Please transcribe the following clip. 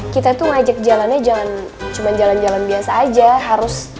kita tuh ajak jalannya janjau jalan jalan biasa aja harus ngajak katamu aja itu kepala saya sat cavity